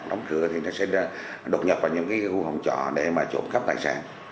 đóng cửa người ta sẽ đột nhập vào những khu hồng trọ để trộm khắp tài sản